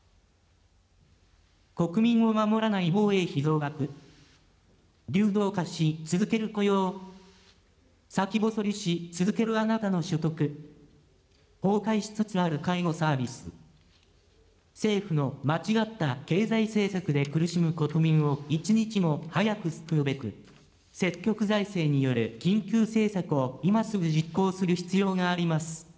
国民を守らない防衛費増額、流動化し続ける雇用、先細りし続けるあなたの所得、崩壊しつつある介護サービス、政府の間違った経済政策で苦しむ国民を一日も早く救うべく、積極財政による緊急政策を今すぐ実行する必要があります。